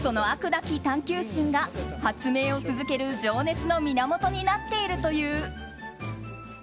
なき探求心が発明を続ける情熱の源になっているという。